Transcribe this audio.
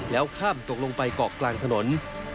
แล้วข้ามตกลงไปเกาะกลางถนน